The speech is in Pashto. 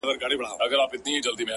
قاتل ژوندی دی ـ مړ یې وجدان دی ـ